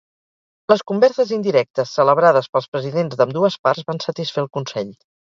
Les converses indirectes celebrades pels presidents d'ambdues parts van satisfer el Consell.